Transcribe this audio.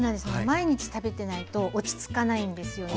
毎日食べてないと落ち着かないんですよね。